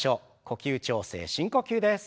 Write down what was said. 呼吸調整深呼吸です。